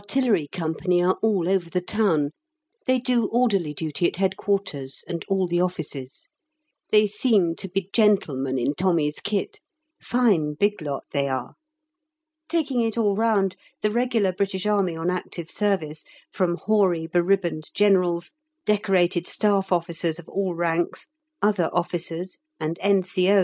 C. are all over the town: they do orderly duty at Headquarters and all the Offices; they seem to be gentlemen in Tommy's kit; fine big lot they are. Taking it all round, the Regular British Army on Active Service from hoary, beribboned Generals, decorated Staff Officers of all ranks, other officers, and N.C.O.'